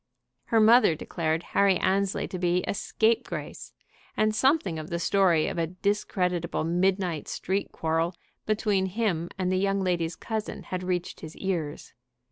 Her mother declared Harry Annesley to be a scapegrace, and something of the story of a discreditable midnight street quarrel between him and the young lady's cousin had reached his ears.